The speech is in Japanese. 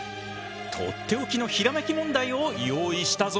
とっておきのひらめき問題を用意したぞ。